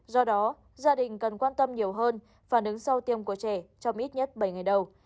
do đó gia đình cần quan tâm nhiều hơn phản ứng sau tiêm của trẻ trong ít nhất bảy ngày đầu